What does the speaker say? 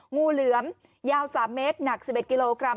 งูเหลือมยาว๓เมตรหนัก๑๑กิโลกรัม